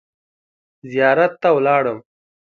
زیارت ته ولاړم.